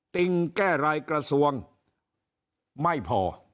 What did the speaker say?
ติงแก้รายกระทรวงไม่พอ